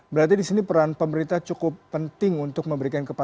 berarti di sini peran pemerintah cukup penting untuk memberikan kepastian